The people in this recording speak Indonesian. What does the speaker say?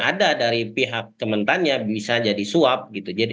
ada dari pihak kementannya bisa jadi suap gitu